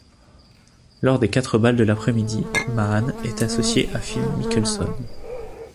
Lors des quatre balles de l'après-midi, Mahan est associé à Phil Mickelson.